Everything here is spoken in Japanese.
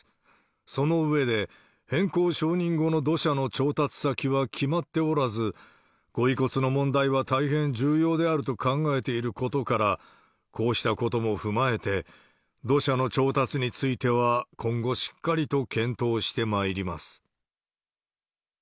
その上で、変更承認後の土砂の調達先は決まっておらず、ご遺骨の問題は大変重要であると考えていることから、こうしたことも踏まえて、土砂の調達については今後しっかりと検討してまいります。